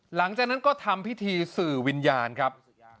หลังจากนั้นก็ทำพิธีสื่อวิญญาณครับ